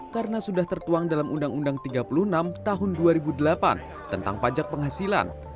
karena sudah tertuang dalam undang undang tiga puluh enam tahun dua ribu delapan tentang pajak penghasilan